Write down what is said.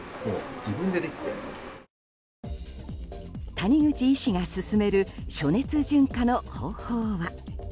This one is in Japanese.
谷口医師が勧める暑熱順化の方法は。